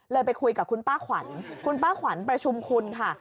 ไปคุยกับคุณป้าขวัญคุณป้าขวัญประชุมคุณค่ะ